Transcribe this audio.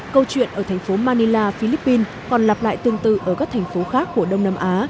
câu chuyện ở thành phố manila philippines còn lặp lại tương tự ở các thành phố khác của đông nam á